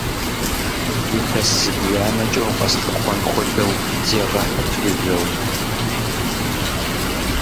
Илъэс зыбжанэкӏэ укъэслъыхъуэн хуэдэу зегъэхьыт жыжьэу!